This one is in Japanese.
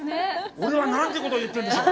俺は何てことを言ってるんでしょう。